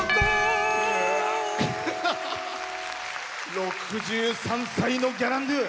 ６３歳の「ギャランドゥ」。